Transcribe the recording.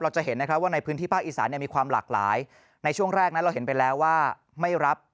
จะเห็นนะครับว่าในพื้นที่ภาคอีสานมีความหลากหลายในช่วงแรกนั้นเราเห็นไปแล้วว่าไม่รับ